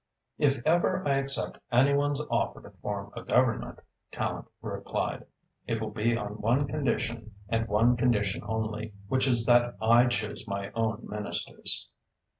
"If ever I accept any one's offer to form a Government," Tallente replied, "it will be on one condition and one condition only, which is that I choose my own Ministers."